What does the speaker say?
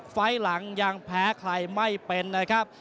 ไฟล์หลังยังแพ้ใครไม่เป็นนะครับ